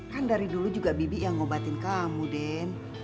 kan dari dulu juga bibi yang ngobatin kamu den